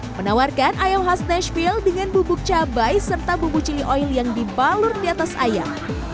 menawarkan ayam khas neshfill dengan bubuk cabai serta bumbu cili oil yang dibalur di atas ayam